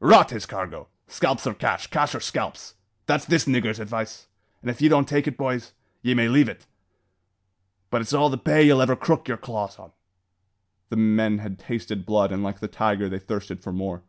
"Rot his cargo! Scalps or cash, cash or scalps! that's this niggur's advice; an' if ye don't take it, boys, ye may leave it! but it's all the pay ye'll ever crook yer claws on." The men had tasted blood, and like the tiger, they thirsted for more.